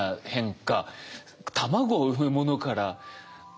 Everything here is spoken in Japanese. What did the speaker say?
卵を産むものからね